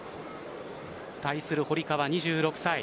対する堀川、２６歳。